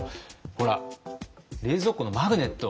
ほら冷蔵庫のマグネット。